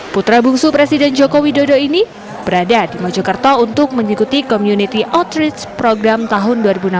putra bungsu presiden joko widodo ini berada di mojokerto untuk mengikuti community outreach program tahun dua ribu enam belas